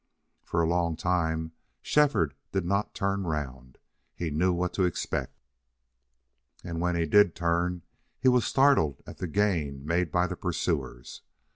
For a long time Shefford did not turn round; he knew what to expect. And when he did turn he was startled at the gain made by the pursuers.